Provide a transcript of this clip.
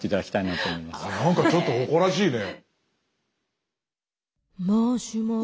なんかちょっと誇らしいね。